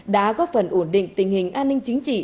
đã góp phần ổn định tình hình an ninh chính trị